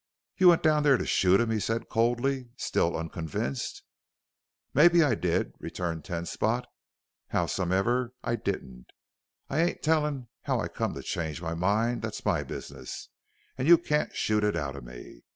"You went down there to shoot him!" he said coldly, still unconvinced. "Mebbe I did," returned Ten Spot. "Howsomever, I didn't. I ain't tellin' how I come to change my mind that's my business, an' you can't shoot it out of me.